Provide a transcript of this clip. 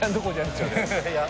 いや。